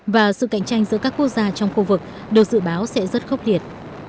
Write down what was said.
và sự cạnh tranh giữa các quốc gia trong khu vực được dự báo sẽ rất khốc liệt